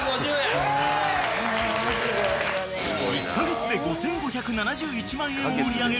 ［１カ月で５，５７１万円を売り上げる